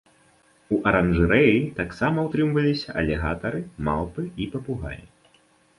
У аранжарэі таксама утрымліваліся алігатары, малпы і папугаі.